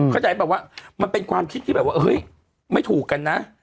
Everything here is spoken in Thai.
เข้าใจป่ะว่ามันเป็นความคิดที่ไม่ถูกกันนะ